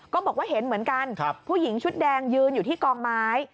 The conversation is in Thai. ก็บอกว่าเห็นเหมือนกันผู้หญิงชุดแดงยืนอยู่ที่กองไม้